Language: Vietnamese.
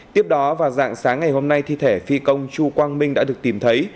tiếp đó vào dạng sáng ngày hôm nay thi thể phi công chu quang minh đã được tìm thấy